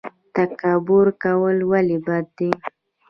تکبر کول ولې بد دي؟